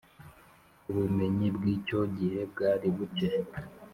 Ubumenyi bw’icyo gihe bwari bucye